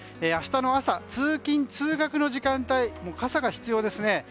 明日の朝、通勤・通学の時間帯傘が必要ですね。